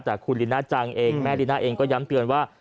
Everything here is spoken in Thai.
แต่คุณลิน่าจังเองแม่ลีน่าเองก็ย้ำเตือนว่า